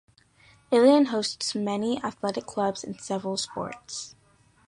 Ilion hosts many athletic clubs in several sports.